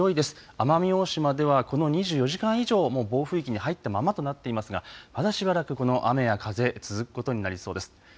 奄美大島ではこの２４時間以上、もう暴風域に入ったままとなっていますがまだしばらくこの雨や風、続くことになりそうです。